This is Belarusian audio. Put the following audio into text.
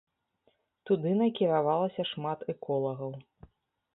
Туды накіравалася шмат эколагаў.